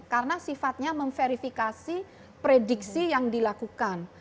karena sifatnya memverifikasi prediksi yang dilakukan